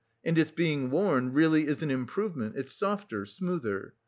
And its being worn really is an improvement, it's softer, smoother....